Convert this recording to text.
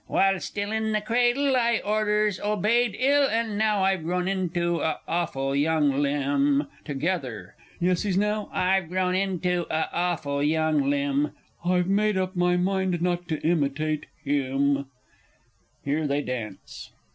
_ While still in the cradle, I orders obeyed ill, And now I've grown into a awful young limb! { he's } Together. Yes, now { I've } grown into a awful young limb. I've made up my mind not to imitate him! [_Here they dance.